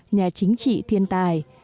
nhà chính trị thiên tài